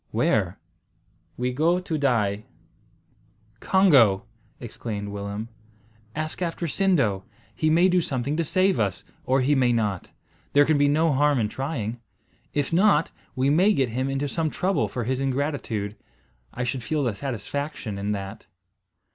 "Where?" "We go to die." "Congo!" exclaimed Willem, "ask after Sindo. He may do something to save us, or he may not. There can be no harm in trying. If not, we may get him into some trouble for his ingratitude. I should feel a satisfaction in that."